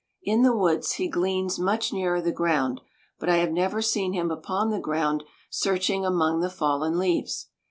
In the woods he gleans much nearer the ground, but I have never seen him upon the ground searching among the fallen leaves.